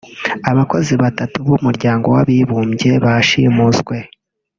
abakozi batatu b’Umuryango w’Abibumbye bashimuswe